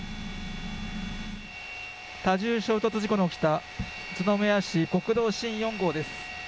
多重衝突事故の起きた宇都宮市国道新４号です。